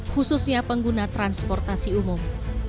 khususnya pengguna transportasi umum